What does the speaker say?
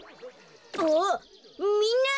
あみんな！